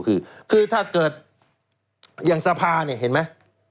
คือถ้าเกิดอย่างสภาเนี่ยเห็นมั้ย